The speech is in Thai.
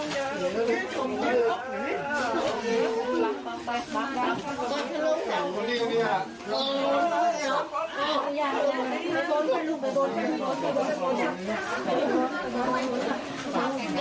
แล้วทุกช่วงก็เคยรู้ว่าสักทีภายในพ่อค่ะแก้ช่วยกับพ่อ